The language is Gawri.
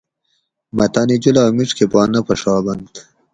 مہ تانی جولاگ میڛ کہ پا نہ پھڛابنت